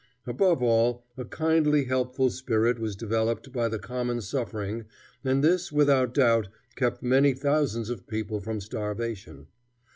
Above all, a kindly, helpful spirit was developed by the common suffering and this, without doubt, kept many thousands of people from starvation.